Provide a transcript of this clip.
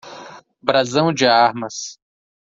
Brasão? de armas.